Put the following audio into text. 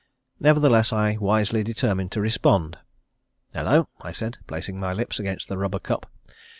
Nevertheless I wisely determined to respond. "Hello," I said, placing my lips against the rubber cup.